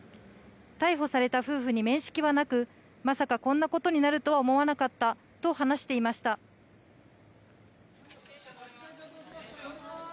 逮捕された夫婦に面識はなくまさか、こんなことになるとは思わなかったと話していました。